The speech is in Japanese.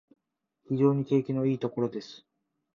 非常に景色のいいところです